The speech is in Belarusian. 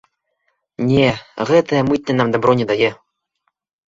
Не, гэтая мытня нам дабро не дае.